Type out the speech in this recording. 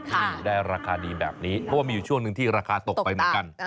นี่ได้ราคาดีแบบนี้เพราะว่ามีอยู่ช่วงหนึ่งที่ราคาตกไปเหมือนกัน